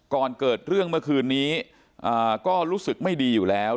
ก่อนเกิดเรื่องเมื่อคืนนี้ก็รู้สึกไม่ดีอยู่แล้ว